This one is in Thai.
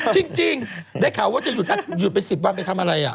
จริงได้ข่าวว่าจะหยุดไป๑๐วันไปทำอะไร